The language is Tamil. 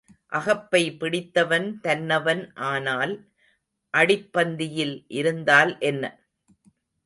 அகப்பை பிடித்தவன் தன்னவன் ஆனால், அடிப்பந்தியில் இருந்தால் என்ன?